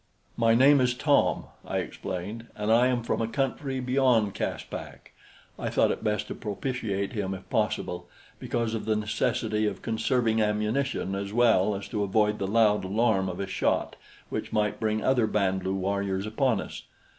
"My name is Tom," I explained, "and I am from a country beyond Caspak." I thought it best to propitiate him if possible, because of the necessity of conserving ammunition as well as to avoid the loud alarm of a shot which might bring other Band lu warriors upon us.